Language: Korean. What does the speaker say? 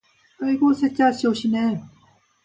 아이고, 셋째 아씨 오시네.